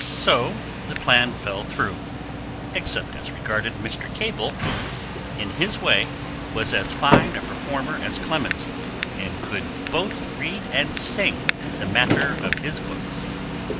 So the plan fell through except as regarded Mr. Cable, who, in his way, was as fine a performer as Clemens, and could both read and sing the matter of his books.